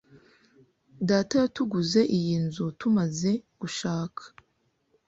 Data yatuguze iyi nzu tumaze gushaka.